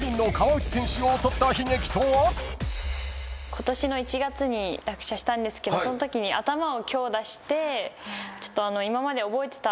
今年の１月に落車したんですけどそのときに頭を強打して今まで覚えてた。